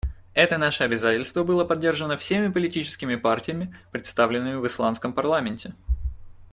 Это наше обязательство было поддержано всеми политическими партиями, представленными в исландском парламенте.